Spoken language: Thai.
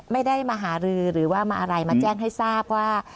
ไม่ได้มาหารือหรือว่ามาอะไรมาแจ้งให้ทราบว่า